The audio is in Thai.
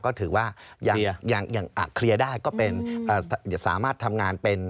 ก็ถือว่าอย่างอย่างอย่างอ่ะเคลียร์ได้ก็เป็นเอ่อสามารถทำงานเป็น